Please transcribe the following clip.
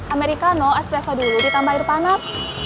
americano espresso dulu ditambah air panas